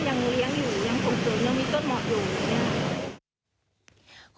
ยังคงเติมแล้วมีต้นหมดอยู่